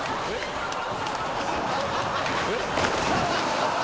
えっ？